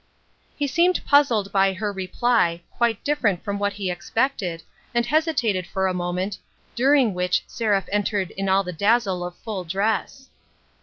He seemed puzzled by her reply, quite different from what he had expected, and hesitated for a moment, during which Seraph entered in all the dazzle of full dress.